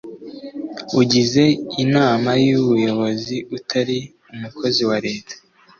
ugize inama y ubuyobozi utari umukozi wa leta